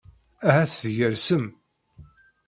Ahat tgersem.